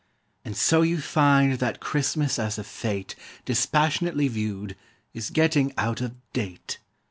And so you find that Christmas as a fête Dispassionately viewed, is getting out Of date.